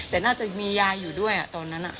แต่น่าจะมียายอยู่ด้วยตอนนั้น